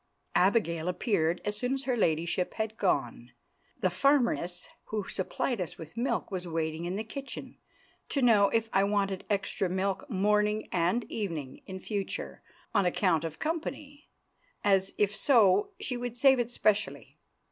Abigail appeared as soon as her ladyship had gone. The farmeress who supplied us with milk was waiting in the kitchen to know if I wanted extra milk morning and evening in future, on account of company; as, if so, she would save it specially.